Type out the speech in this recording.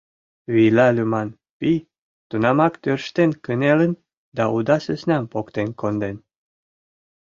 Вийла лӱман пий тунамак тӧрштен кынелын да уда сӧснам поктен конден.